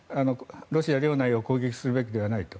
ロシア領内を攻撃するべきではないと。